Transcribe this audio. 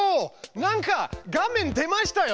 なんか画面出ましたよ。